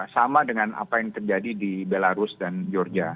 sama dengan apa yang terjadi di belarus dan georgia